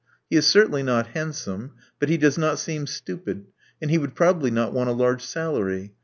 He is certainly not hand some; but he does not seem stupid; and he would probably not want a large salary.